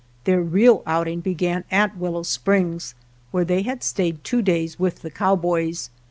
Their real outing began at Willow Springs, where they had stayed two days with the cowboys.